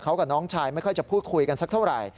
เขากับน้องชายไม่ค่อยจะพูดคุยกันสักเท่าไหร่